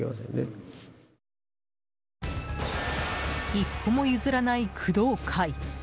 一歩も譲らない工藤会。